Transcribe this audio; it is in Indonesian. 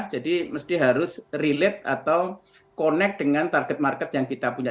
jadi mesti harus relate atau connect dengan target market yang kita punya